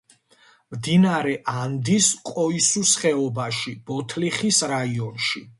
მდინარე ანდის ყოისუს ხეობაში, ბოთლიხის რაიონში.